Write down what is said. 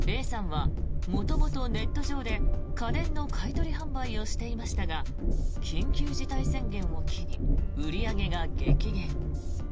Ａさんは元々ネット上で家電の買い取り販売をしていましたが緊急事態宣言を機に売り上げが激減。